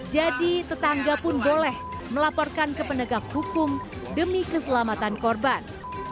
jadi tetangga pun boleh melaporkan ke penegak hukum demi keselamatan korban